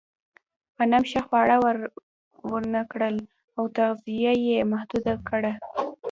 غنم ښه خواړه ورنهکړل او تغذیه یې محدوده کړه.